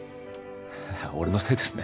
俺のせいですね